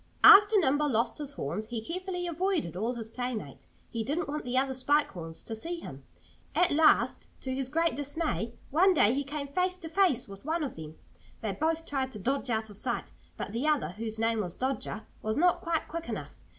After Nimble lost his horns he carefully avoided all his playmates. He didn't want the other Spike Horns to see him. At last, to his great dismay, one day he came face to face with one of them. They both tried to dodge out of sight. But the other, whose name was Dodger, was not quite quick enough.